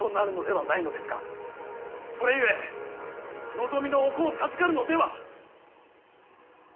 それゆえ望みのお子を授かるのでは！